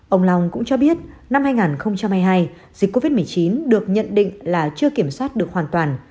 ông long cũng cho biết năm hai nghìn hai mươi hai dịch covid một mươi chín được nhận định là chưa kiểm soát được hoàn toàn